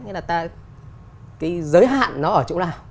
cái giới hạn nó ở chỗ nào